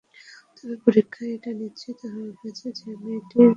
তবে পরীক্ষায় এটা নিশ্চিত হওয়া গেছে যে, মেয়েটির হরমোনজনিত সমস্যা নেই।